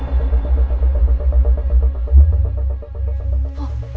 あっ。